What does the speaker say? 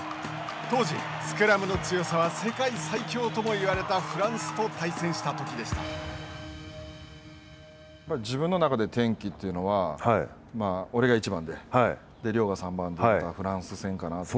当時、スクラムの強さは世界最強ともいわれた自分の中での転機というのは、俺が１番で亮が３番で行ったフランス戦かな。